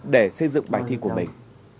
để xây dựng bài thi của mình